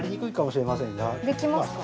できますか？